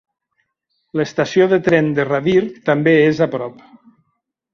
L'estació de tren de Radyr també és a prop.